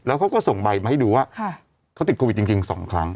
เขาก็ส่งใบมาให้ดูว่าเขาติดโควิดจริง๒ครั้ง